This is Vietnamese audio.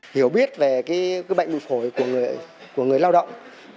hiểu biết về cái bệnh bụi phổi của người lao động